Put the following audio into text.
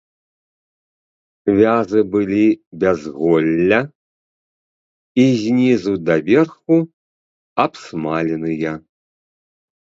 Вязы былі без голля і знізу даверху абсмаленыя.